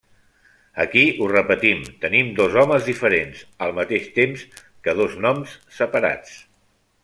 Aquí, ho repetim, tenim dos homes diferents, al mateix temps que dos noms separats.